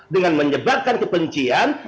dengan menyebabkan kepencian